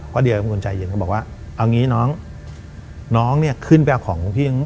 เดียเป็นคนใจเย็นก็บอกว่าเอางี้น้องน้องเนี่ยขึ้นไปเอาของพี่